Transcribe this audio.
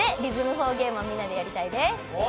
４ゲームをみんなでやりたいです。